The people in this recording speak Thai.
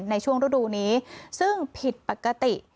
ในช่วงฤดูนี้ซึ่งผิดปกติ